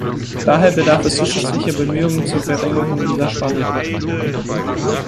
Daher bedarf es zusätzlicher Bemühungen zur Verringerung dieser Spanne.